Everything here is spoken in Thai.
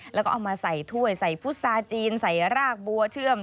แล้วก็เอามาใส่ถ้วยใส่พุษาจีนใส่รากบัวเชื่อม